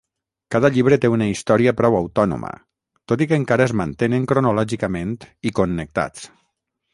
Cada llibre té una història prou autònoma, tot i que encara es mantenen cronològicament i connectats.